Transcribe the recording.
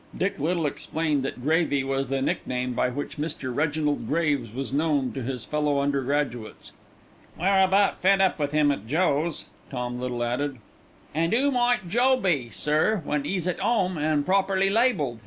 Dick Little explained that "Gravy" was the nickname by which Mr. Reginald Graves was known to his fellow undergraduates. "We're about fed up with him at Joe's," Tom Little added. "An' 'oo might Joe be, sir, when 'e's at 'ome, an' properly labelled?"